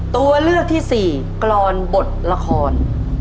ตัวเลือกที่สี่กรอนบทละคร